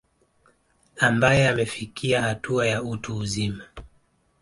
Ambae amefikia hatua ya utu uzima